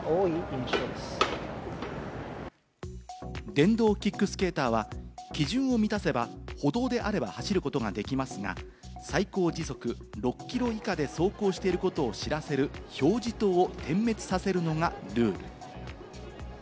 電動キックスケーターは、基準を満たせば歩道であれば走ることができますが、最高時速６キロ以下で走行していることを知らせる表示灯を点滅させるのがルール。